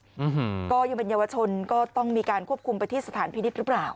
อืมก็ยังเป็นเยาวชนก็ต้องมีการควบคุมไปที่สถานพินิษฐ์หรือเปล่า